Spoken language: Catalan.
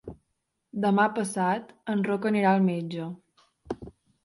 Demà passat en Roc anirà al metge.